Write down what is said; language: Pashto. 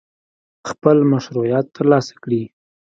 خپل مشروعیت ترلاسه کړي.